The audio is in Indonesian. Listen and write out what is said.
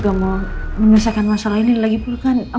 ya udah aku ganti baju dulu ya